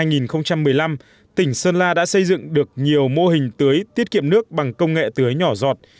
huyện mai sơn đã xây dựng được nhiều mô hình tưới tiết kiệm nước bằng công nghệ tưới nhỏ giọt